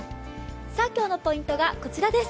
今日のポイントがこちらです。